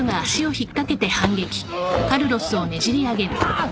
あっ